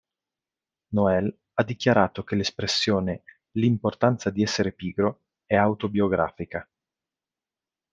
Noel ha dichiarato che l'espressione "l'importanza di essere pigro" è autobiografica.